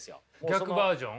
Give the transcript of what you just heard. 逆バージョン。